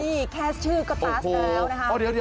นี่แค่ชื่อก็ตัสแล้วนะคะ